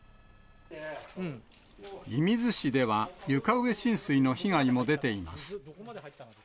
射水市では、床上浸水の被害も出ています。